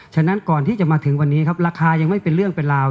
ฉะนั้นก่อนที่จะมาถึงวันนี้ครับราคายังไม่เป็นเรื่องเป็นราว